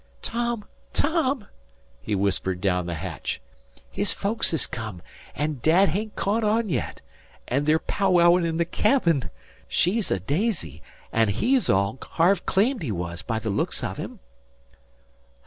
"Tom, Tom!" he whispered down the hatch. "His folks has come, an' Dad hain't caught on yet, an' they're pow wowin' in the cabin. She's a daisy, an' he's all Harve claimed he was, by the looks of him."